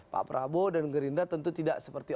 pak prabowo dan gerindra tentu tidak seperti